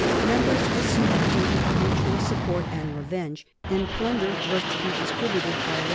Members as sumed the duty of mutual support and revenge, and plunder was to be distributed by lot.